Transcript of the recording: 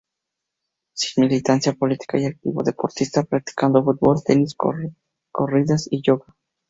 Sin militancia política y activo deportista practicando fútbol, tenis, corridas y yoga.